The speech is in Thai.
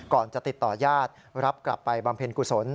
ก่อนจะติดต่อญาติรับกลับไปบำเพ็ญกุศล